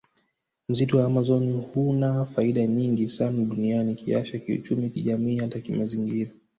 Msitu wa amazon huna faida nyingi sana duniani kiafya kiuchumi kijamii hata kimazingira